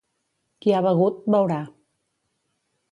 Qui ha begut, beurà.